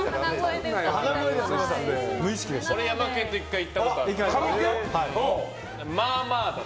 俺、ヤマケンと１回行ったことあるよ。